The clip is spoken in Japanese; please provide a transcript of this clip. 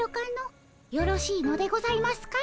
よろしいのでございますか？